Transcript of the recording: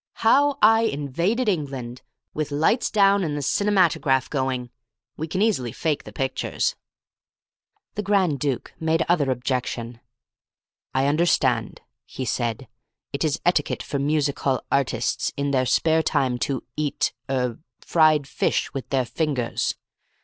'How I Invaded England,' with lights down and the cinematograph going. We can easily fake the pictures." The Grand Duke made another objection. "I understand," he said, "it is etiquette for music hall artists in their spare time to eat er fried fish with their fingers.